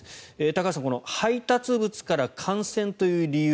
高橋さん配達物から感染という理由。